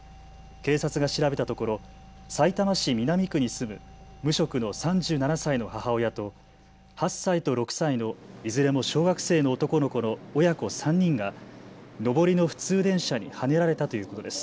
警察が調べたところさいたま市南区に住む無職の３７歳の母親と８歳と６歳のいずれも小学生の男の子の親子３人が上りの普通電車にはねられたということです。